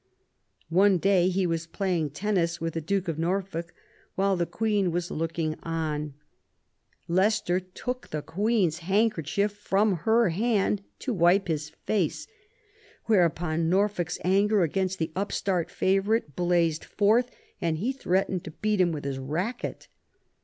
One day he was playing tennis with the Duke of Norfolk, while the Queen was looking on ; Leicester took the Queen's handkerchief from her hand to wipe his face, whereon Norfolk's anger against the upstart favourite blazed forth and he threatened to beat him with his racket.